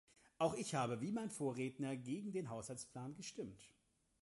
Auch ich habe, wie mein Vorredner, gegen den Haushaltsplan gestimmt.